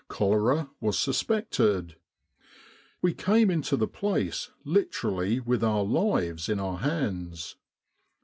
Cholera was suspected. We came into the place literally with our lives in our hands.